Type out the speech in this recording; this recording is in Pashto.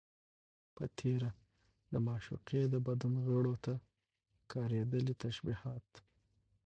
په تېره، د معشوقې د بدن غړيو ته کارېدلي تشبيهات